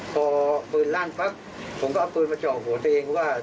พอปืนลั่นปั๊บผมก็เอาปืนมาเจาะหัวตัวเองว่า